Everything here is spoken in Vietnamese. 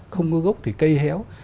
không có gốc thì cây héo